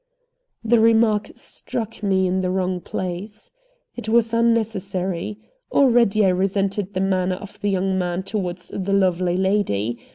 The remark struck me in the wrong place. It was unnecessary. Already I resented the manner of the young man toward the lovely lady.